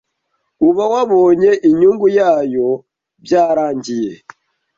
uba wabonye inyungu yayo byarangiye